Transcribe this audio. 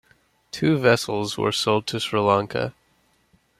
Two vessels were sold to Sri Lanka.